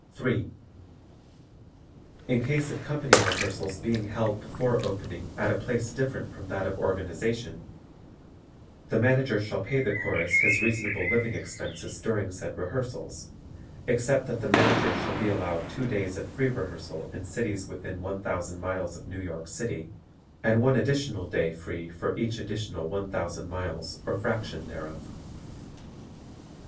3. In case of company rehearsals being held before opening at a place different from that of organization, the Manager shall pay the Chorus his reasonable living expenses during said rehearsals, except that the Manager shall be allowed two days of free rehearsal in cities within one thousand miles of New York City and one additional day free for each additional one thousand miles or fraction thereof.